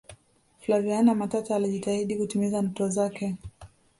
flaviana matata alijitahidi kutimiza ndoto zake